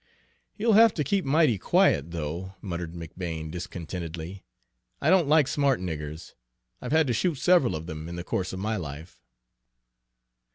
"He'll have to keep mighty quiet, though," muttered McBane discontentedly. "I don't like smart niggers. I've had to shoot several of them, in the course of my life."